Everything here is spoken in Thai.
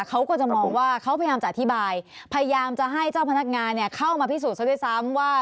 เขาก็จะมองว่าเขาพยายามจะอธิบายพยายามจะให้เจ้าพนักงานเข้ามาพิสูจนซะด้วยซ้ำว่า